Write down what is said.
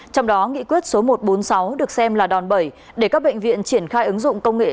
trong đó nghị quyết số một trăm bốn mươi sáu được xem là đòn bẩy để các bệnh viện triển khai ứng dụng công nghệ